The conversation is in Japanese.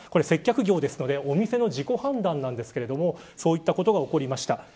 接客業なので、お店の自己判断なんですがそういったことが起こりました。